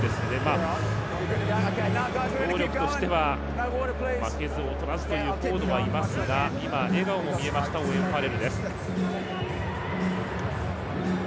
能力としては負けず劣らずというフォードはいますが今、笑顔も見えましたオーウェン・ファレルです。